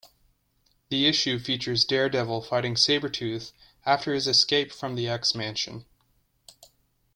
The issue features Daredevil fighting Sabretooth after his escape from the X-Mansion.